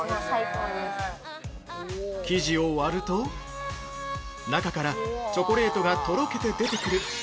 ◆生地を割ると中からチョコレートがとろけて出てくる